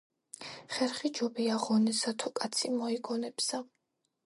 ხერხი ჯობია ღონესა, თუ კაცი მოიგონებსა.